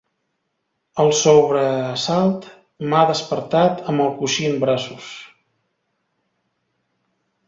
El sobresalt m'ha despertat amb el coixí en braços.